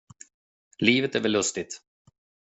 Livet är väl lustigt?